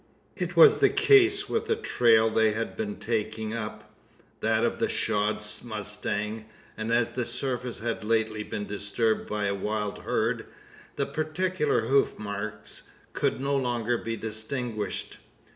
It was the case with the trail they had been taking up that of the shod mustang; and as the surface had lately been disturbed by a wild herd, the particular hoof marks could no longer be distinguished.